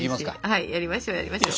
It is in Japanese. はいやりましょうやりましょう！